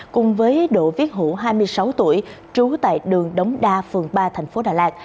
cùng với đỗ viết hữu hai mươi sáu tuổi trú tại đường đống đa phường ba tp đà lạt